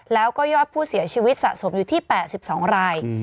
แล้วก็ยอดผู้เสียชีวิตสะสมอยู่ที่๘๒ราย